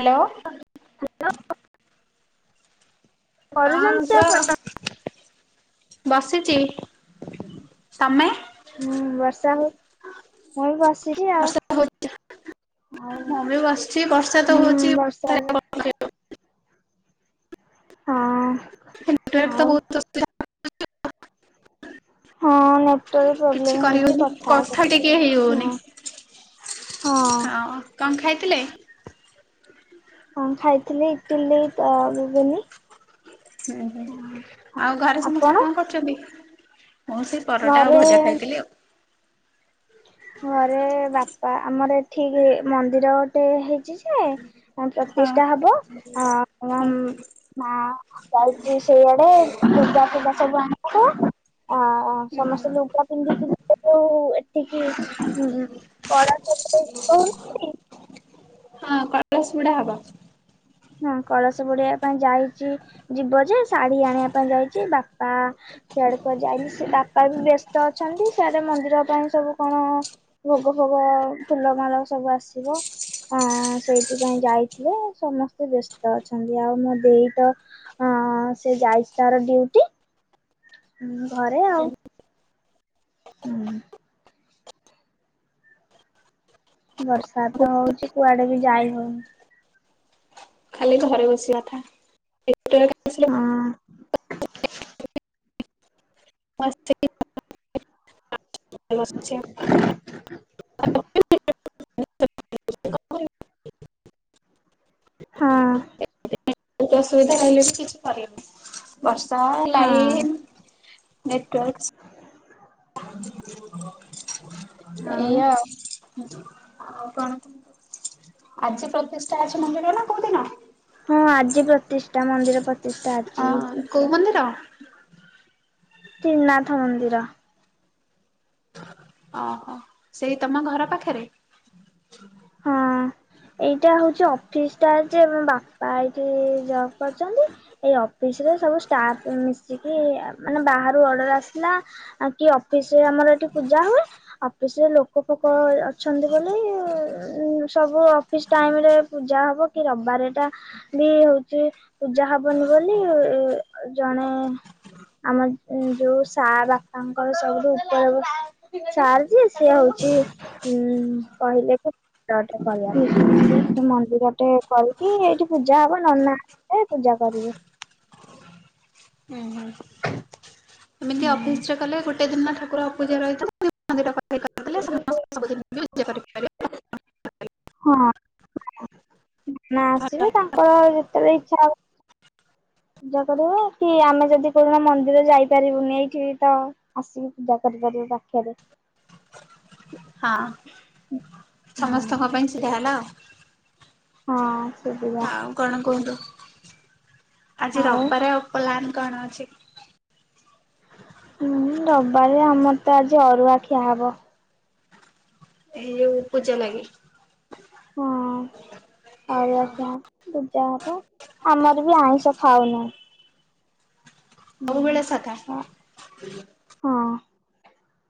Hello. Hello. ହଁ କରୁଛନ୍ତି କହ। ଆପଣ? ବସିଛି। ତମେ? ହୁଁ ବର୍ଷା ହଉ ମୁଁ ବି ବସିଛି ଆଉ। ବର୍ଷା ହଉଛି ଆଉ ମୁଁ ବି ବସିଛି ବର୍ଷା ତ ହୁଁ ହଉଛି ବର୍ଷାରେ। ନେଟୱାର୍କ ହଁ। ନେଟୱାର୍କ ତ ଆଉ ବହୁତ ଅସୁବିଧା ହଁ ନେଟୱାର୍କ [inaudible] କିଛି ପ୍ରୋବ୍ଲେମ ହଉଛି କରିହଉନି କଥା ଟିକେ ହେଇ ହଉନି। ହଁ ହଁ କଣ ଖାଇଥିଲେ? ହଁ ଖାଇଥିଲି ଇଟିଲି ତା ଘୁଗୁନି। ହୁଁ ହୁଁ ଆଉ ଘରେ ସମସ୍ତେ ଆପଣ କଣ କରୁଛନ୍ତି? ମୁଁ ସେଇ ପରଟା ଆଉ ଘରେ ଭଜା ଖାଇଥିଲି ଆଉ। ଘରେ ବାପା ଆମର ଏଠିକି ମନ୍ଦିର ଗୋଟେ ହେଇଛି ଯେ। ହଁ ପ୍ରତିଷ୍ଠା ହବ ହଁ। ମା ଯାଉଛି ସେଇଆଡେ ଦୁର୍ଗା ପୂଜା ସବୁ ଆଣା ହବ୍। ଆ ହୁଁ ସମସ୍ତେ ଲୁଗା ପିନ୍ଧିକିରି ଏଠିକି ଉଁ। ହଁ କଳସ ବୁଡା ହବ। ହଁ କଳସ ବୁଡେଇବା ପାଇଁ ଯାଇଛି ଯିବ ଯେ ଶାଢୀ ଆଣିବା ପାଇଁ ଯାଇଛି ବାପା। ସିଆଡ଼େ କୁଆଡ଼େ ଯାଇଲି ସି ବାପା ବି ବ୍ୟସ୍ତ ଅଛନ୍ତି ସିଆଡେ ମନ୍ଦିର ପାଇଁ ସବୁ କଣ। ଭୋଗ ଫୋଗ ଫୁଲମାଳ ସବୁ ଆସିବ। ହଁ ସେଇଥିପାଇଁ ଯାଇଥିଲେ ସମ ତେ ବ୍ୟସ୍ତ ଅଛନ୍ତି ଆଉ ମୋ ଦେଇ ତ ଅଁ ସେ ଯାଇଛି ତାର ଡିଉଟି। ମୁଁ ଘରେ ଆଉ। ହୁଁ। ବର୍ଷା ତ ହଉଛି କୁଆଡେ ବି ଯାଇ ହଉନି। ଖାଲି ଘରେ ବସିବା କଥା ଆସିଲେ ମୁଁ ହଁ। ମସ୍ [unintelligible] [unintelligible] [inaudible] ହଁ। ଅସୁବିଧା ରହିଲେ ବି କିଛି କରନି ବର୍ଷା ଲାଇନ ହଁ ନେଟୱର୍କ୍ସ ଆଉ ଏଇୟଆ ଆଉ କଣ ଆଜି ପ୍ରତିଷ୍ଠା ଅଛି ମନ୍ଦିରର ନା କୋଉ ଦିନ? ହଁ ଆଜି ପ୍ରତିଷ୍ଠା ମନ୍ଦିର ପ୍ରତିଷ୍ଠା ଆଜି। କେଉଁ ମନ୍ଦିର? ତ୍ରିନାଥ ମନ୍ଦିର। ଓହୋ ସେଇ ତମ ଘର ପାଖରେ? ହଁ ଏଇଟା ହଉଛି ଅଫିସ ଟା ଯେ ମୋ ବାପା ଏଇଠି ଜ କରଛନ୍ତି ଏଇ ଅଫିସ ରେ ସବୁ ଷ୍ଟାଫ୍ ମିଶି କି ମାନେ ବାହାରୁ ଅର୍ଡର ଆସିଲା କି ଅଫିସରେ ଆମର ଏଠି ପୂଜା ହୁଏ। ଅଫିସ ରେ ଲୋକ ଫୋକ ଅଛନ୍ତି ବୋଲି ଉ ସବୁ ଅଫିସ ଟାଇମ ରେ ପୂଜା ହବ କି ରବିବାରଟା ବି ହଉଛି ପୂଜା ହବନି ବୋଲି ଜଣେ ଆମ ଯୋଉ ସା ବାପାଙ୍କର ସବୁଠୁ ଉପରେ ସାର୍ ଯେ ସିଏ ହଉଛି ଉ କହିଲେ କି ମନ୍ଦିରଟେ କରିକି ଏଇଠି ପୂଜା ହବ ନନା ଏ ପୂଜା କରିବି। ହୁଁ ହୁଁ। ଏମିତି ଅଫିସ ରେ କଲେ ଗୋଟେ ଦିନ ଠାକୁର ଅପୂଜା ରହିଛି। ସବୁଦିନ ବି ପୂଜା କରିପାରିବେ। ହଁ। ନା ଆସିବେ ତାଙ୍କର ଯେତେବେଳେ ଇଚ୍ଛା ହ ପୂଜା କରିବ କି ଆମେ ଯଦି କୋଣ ମନ୍ଦିର ଯାଇପାରିବୁ ଏଇଠିବି ତ ଆସିକି ପୂଜା କରିପାରିବେ ପାଖରେ ହଁ ସମସ୍ତଙ୍କ ପାଇଁ ସିଧା ହେଲା ଆଉ। ହଁ ସୁବିଧା। ଆଉ କଣ କୁହନ୍ତୁ ଆଜି ଆଉ ରବିବାର ପ୍ଲାନ କଣ ଅଛି? ହୁଁ ରବିବାରେ ଆମର ତ ଆଜି ଅରୁଆ ଖିଆ ହବ। ଏଇ ଯୋଉ ପୂଜା ଲାଗି [inaudible] ଆଉ ପୂଜା ହବ ଆମର ବି ଆଇଁଷ ଖାଉ ନାହିଁ। ସବୁବେଳେ ସାଧା? ହଁ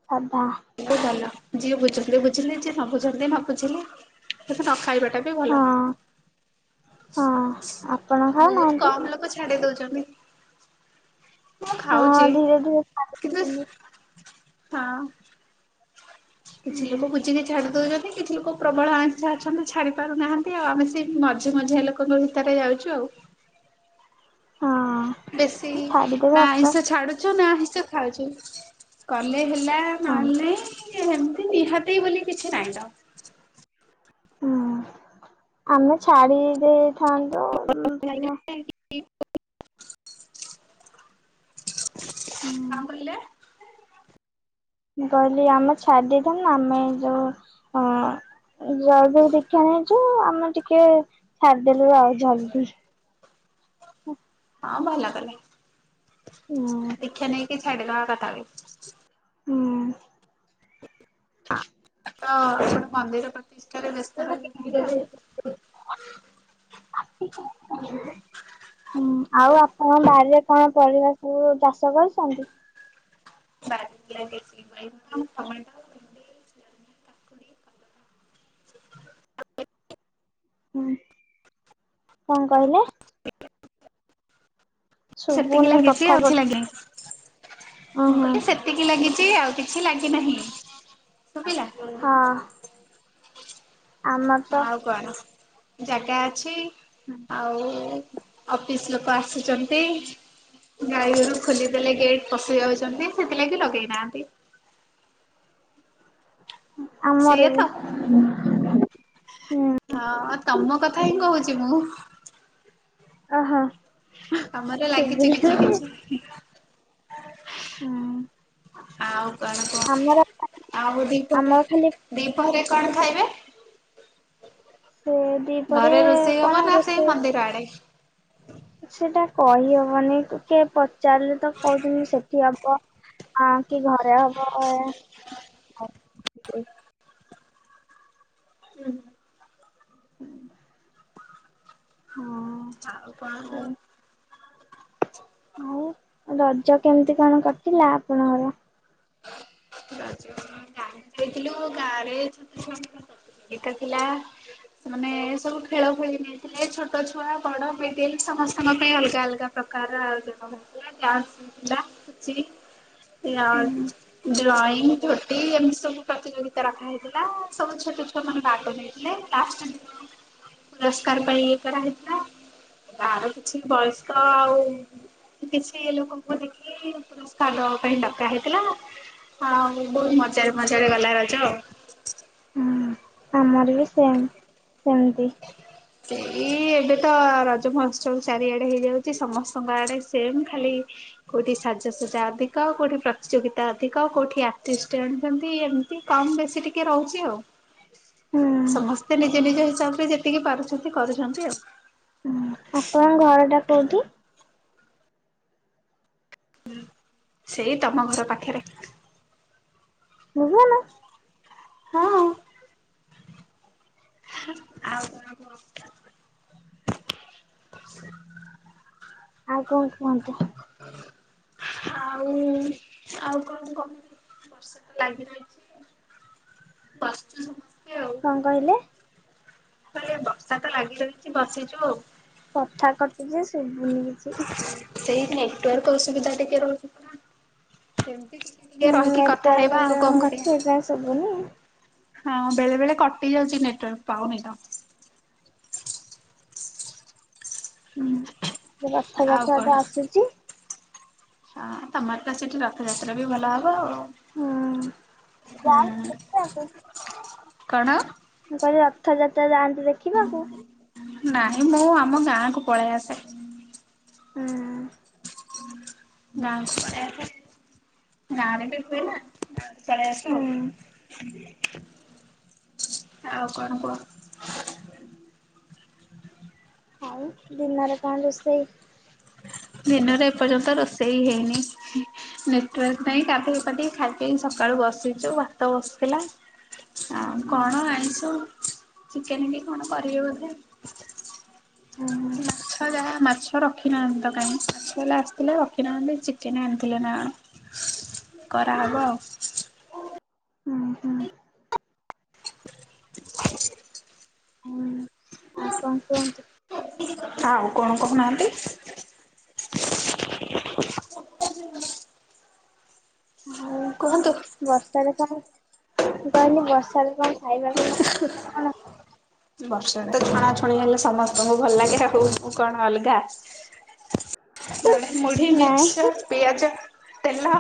ସାଧା। ବି ଭଲ ଯିଏ ବୁଝନ୍ତି ବୁଝିଲେ ଯିଏ ନ ବୁଝନ୍ତି ନ ବୁଝିଲେ କିନ୍ତୁ ନ ଖାଇବାଟା ବି ଭଲ ହଁ ହଁ ଆପଣ ବହୁତ ଖାଉନାହାନ୍ତି? କମ ଲୋକ ଯେ ଛାଡି ଦଉଛନ୍ତି। ମୁଁ ହଁ ଖାଉଛି ଧୀରେ ଧୀରେ କିନ୍ତୁ ଛାଡୁଛନ୍ତି ହଁ। ହୁଁ କିଛି ଲୋକ ବୁଝିକି ଛାଡି ଦଉଛନ୍ତି। କିଛି ଲୋକ ପ୍ରବଳ ଆଇଁଶ ଅଛନ୍ତି ଛାଡି ପାରୁନାହାନ୍ତି ଆଉ ଆମେ ସେ ମଝି ମଝିଆ ଲୋକଙ୍କ ଭିତରେ ଯାଉଚୁ ଆଉ। ହଁ ବେଶୀ ଛାଡିଦେବେ ନା ଆସ୍ତେ ଆଇଁଷ ଆସ୍ତେ ଛାଡୁଛୁ ନା ଆଇଁଷ ଖାଉଛୁ। କଲେ ହେଲା ହଁ ନହେଲେ ଏମତି ନିହାତି ବୋଲି କିଛି ନହିଁ ତ। ହୁଁ ଆମେ ଛାଡି ଦେଇଥାନ୍ତୁ। ହୁଁ [unintelligible] [unintelligible] ମୁଁ କହିଲି ଆମ ଛାଡି ଦେଇଥାନ୍ତୁ ନା ଆମେ ଯୋଉ ଅ ଜୟ ଗୁରୁ ଦୀକ୍ଷା ନେଇଚୁ ଆମେ ଟିକେ ଛାଡିଦେଲୁ ଆଉ ଜଲଦି। ହଁ ଭଲ କଲେ। ହୁଁ ଦୀକ୍ଷା ନେଇକି ଛାଡିଦବା କଥା ବି। [unintelligible] ତ ସେ ଗୋଟେ ମନ୍ଦିର ପା [unintelligible] [unintelligible] ଉଁ ଆଉ ଆପଣ ବାରିରେ କଣ ପରିବା ସବୁ ଚାଷ କରିଛନ୍ତି? ବାରିରେ ଲାଗିଚି ବାଇଗଣ, ଟମାଟର କଲରା। ହୁଁ, କଣ କହିଲେ? ସେତିକି ଶୁଭୁନି ଲାଗିଚି କଥା ଆଉ ଗୋ କିଛି ଲାଗିନି। ଉଁ ମୁଁ ହୁଁ କହିଲି ସେ ସେତିକି ଲାଗିଚି ଆଉ କିଛି ଲାଗିନାହିଁ। ହଁ। ଆମର ତ ଆଉ କଣ? ଜାଗା ଅଛି ହୁଁ। ଆଉ ଅଫିସ ଲୋକ ଆସୁଚନ୍ତି। ଗାଈଗୋରୁ ଖୋଲି ଦେଲେ ଗେଟ୍ ପଶି ଯାଉଚନ୍ତି ସେଥିଲାଗି ଲଗେଇ ନାହାନ୍ତି। ଆମର ସେଇଆ ବି। ତ ହୁଁ ହଁ ତମ କଥା ହିଁ କହୁଚି ମୁଁ। ଅ ହ। ଆମର ଲାଗିଚି କିଛି କିଛି। ଉଁ ଆଉ କଣ କୁହ। ଆଉ ଦିପହରେ ଆମର ଖାଲି ଦିପହରେ କଣ ଖାଇବେ? ସେ ଦିପହରେ ଘରେ ରୋଷେଇ ହବ କଣ ନା ରୋଷେଇ [unintelligible] ସେଟା କହିହବନି। କିଏ ପଚାରିଲେ ତ କହୁଛନ୍ତି ସେଠି ହବ ଅ କି ଘରେ ହବ। ଅ ଏ ହୁଁ। [inaudible] ହଁ। ଆଉ କଣ କୁହ? ଆଉ ଆଉ ରଜ କେମିତି କଣ କଟିଲା ଆପଣଙ୍କର? ରଜ କାଟିଥିଲୁ ଗାଁ ରେ। [unintelligible] ଏଇଟା ଥିଲା ସେମାନେ ସବୁ ଖେଳ ଖେଳି ନେଇଥିଲେ। ଛୋଟ ଛୁଆ ବଡ ମିଡିଲ୍ ସମସ୍ତଙ୍କ ପାଇଁ ଅଲଗା ଅଲଗା। [unintelligible] ଡାନ୍ସ ଥିଲା ପୁଚି ହୁଁ ଆଉ ଡ୍ରଇଂ, ଝୋଟି ଏମିତି ସବୁ ପ୍ରତିଯୋଗୀ ରଖା ହେଇଥିଲା। ସବୁ ଛୋଟ ଛୁଆ ମାନେ ଭାଗ ନେଇଥିଲେ। ଲାଷ୍ଟ। [unintelligible] ପୁରସ୍କାର ପାଇଁ କରାହେଇଥିଲା। ତାର କିଛି ବୟସ୍କ ଆଉ କିଛି ଲୋକଙ୍କୁ ଦେଖି ପୁରସ୍କାର ଦବା ପାଇଁ ଡକା ହେଇ ହଁ ବହୁତ ମଜାରେ ମଜାରେ ଗଲା ର। [inaudible] ହୁଁ ଆମର ବି ସେମ୍। ସେମତି। ହ ସେଇ ଏବେ ତ ରଜ ମହୋତ୍ସବ ଚାରିଆଡେ ହେଇଯାଉଚି ସମସ୍ତଙ୍କ ଆଡେ ସେମ୍ ଖାଲି କୋଉଠି ସାଜସଜା ଅଧିକ, କୋଉଠି ପ୍ରତିଯୋଗିତା ଅଧିକ, କୋଉଠି ଆର୍ଟିଷ୍ଟ ଆଣୁଛନ୍ତି। କମ୍ ବେଶୀ ଟିକେ ରହୁଚି ଆଉ। ହୁଁ ସମସ୍ତେ ନିଜ ନିଜ ହିସାବରେ ଯେତିକି ପାରୁଛନ୍ତି କରୁଛନ୍ତି ଆଉ। ହୁଁ ଆପଣଙ୍କ ଘରଟା କୋଉଠି? ହ ସେଇ ତମ ଘର ପାଖରେ। ବୁଝିବନି। ହଁ। ଆଉ ତା ଆଉ କଣ କୁହନ୍ତୁ? [unintelligible] ଆଉ ଆଉ କଣ କ ବର୍ଷା ଲାଗି ରହିଛି। ବସିଛୁ ସମସ୍ତେ ଆଉ। କଣ କହିଲେ? କହିଲେ ବର୍ଷା ତ ଲାଗି ରହିଛି ବସିଛୁ ଆଉ। କଥା କଟିଛି ସେ ସୁବୁନିକିଛି। ସେଇ ନେଟୱାର୍କ ଅସୁବିଧା ଟିକେ ରହୁଛି କେମିତି। ଟିକେ ହୁଁ ରହିକି ନେଟୱାର୍କ କଥା ହେଇବା ଆଉ ପ୍ରୋବ୍ଲେମ୍ କଣ ହଉଛି ସେଇଥିପାଇଁ କରିବା। ଶୁଭୁନି। ହଁ ବେଳେ ବେଳେ କଟି ଯାଉଛି ନେଟୱାର୍କ ପାଉନି ତ। ହୁଁ ଆଉ ରଥଯାତ୍ରା କଣ? ଟା ଆସୁଛି। ହଁ ତମର ତ ସେଠି ରଥଯାତ୍ରା ବି ଭଲ ହବ ଆଉ। ହୁଁ ଯାଆନ୍ତି ଦେଖିବାକୁ? ହଁ କଣ? ମୁଁ କହିଲି ରଥଯାତ୍ରା ଯାଆନ୍ତି ଦେଖିବାକୁ। ନାଇଁ ମୁଁ ଆମ ଗାଁ କୁ ପଳେଇ ଆସେ। ହୁଁ। [unintelligible] ଗାଁରେ ବି ହୁଏନା। ଚଳେଇ ଆସୁ ହୁଁ ଆଉ କଣ କୁହ? ଆଉ ଦିନରେ କଣ ରୋଷେଇ? ଦିନରେ ଏପର୍ଯ୍ୟନ୍ତ ରୋଷେଇ ହେଇନି। ନେଟୱାର୍କ ପାଇଁ କାଧିକି କାଧିକି ଖାଇକି ସକାଳୁ ବସିଛୁ ଭାତ ବସିଥିଲା। ଆଉ କଣ ଆଣିଛୁ ଚିକେନ କି କଣ କରିବେ ବୋଧେ। ହୁଁ ମାଛ ଯାହା ମାଛ ରଖିନାହାନ୍ତି ତ କାଇହିଁକ ମାଛ ହେଲେ ଆସିଥିଲେ ରଖିନାହାନ୍ତି କେନା ଆଣିଥିଲେ ନା କରାହେବ ଆଉ। ହୁଁ ହୁଁ। ହୁଁ ଆଉ କଣ କୁହନ୍ତୁ। ଆଉ କଣ କହୁନାହାନ୍ତି। ଆଉ କୁହନ୍ତୁ। ବର୍ଷାରେ କଣ କହିଲି ବର୍ଷାରେ କଣ ଖାଇବାକୁ ଲାଗେ ଆପଣ? ବର୍ଷ ତ ଛଣାଛୁଣି ହେଲେ ସମସ୍ତଙ୍କୁ ଭଲ ଲାଗେ ରହୁ କଣ ଅଲଗା। ନହଲେ ମୁଢି ନାଇଁ ମିକ୍ସର। ପିଆଜ ତେଲ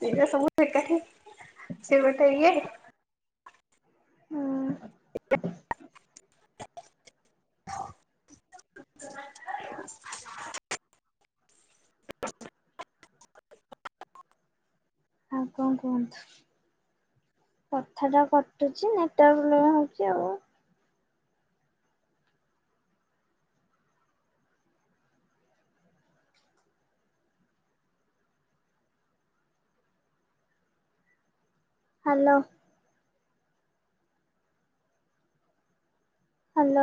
ପିଆଜ ସବୁ ବକାରୀ ସେ ଗୋଟେ ଇଏ। ହୁଁ। [inaudible] ଆଉ କଣ କୁହନ୍ତୁ। କଥା ଟା କଟୁଛି ନେଟୱାକ ସ୍ଲୋ ହୋଉଛି ଆଉ। ହ୍ୟାଲୋ। ହ୍ୟାଲୋ।